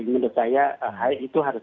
menurut saya itu harus